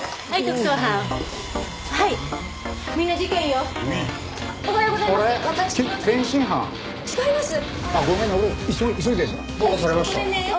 おはようございます。